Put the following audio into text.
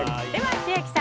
千秋さん